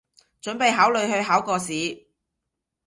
準備考慮去考個試